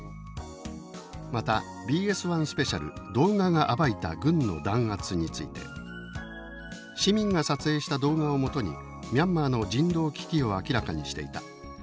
またＢＳ１スペシャル「動画が暴いた軍の弾圧」について「市民が撮影した動画をもとにミャンマーの人道危機を明らかにしていた。